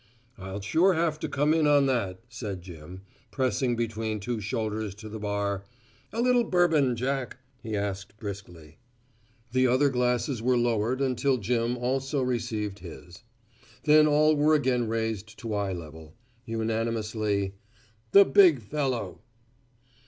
"I'll sure have to come in on that," said Jim, pressing between two shoulders to the bar. "A little bourbon, Jack," he asked briskly. The other glasses were lowered until Jim also received his. Then all were again raised to eye level. Unanimously, "The big fellow!"